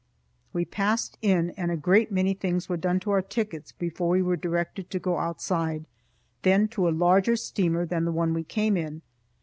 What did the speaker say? We passed in and a great many things were done to our tickets before we were directed to go outside, then to a larger steamer than the one we came in.